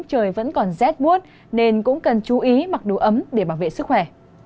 trời vẫn còn rét bút nên cũng cần chú ý mặc đủ ấm để bảo vệ sức khỏe